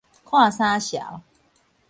看啥潲